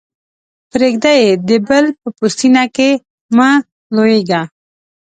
پرېږده يې؛ د بل په پوستينه کې مه لویېږه.